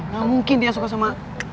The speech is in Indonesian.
gak mungkin dia suka sama